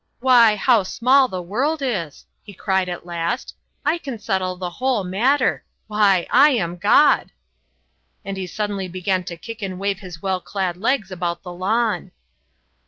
"Why, how small the world is!" he cried at last. "I can settle the whole matter. Why, I am God!" And he suddenly began to kick and wave his well clad legs about the lawn.